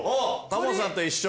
タモさんと一緒？